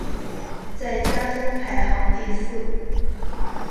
在家中排行第四。